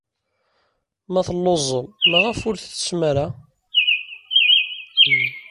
Ma telluẓem, maɣef ur tettettem?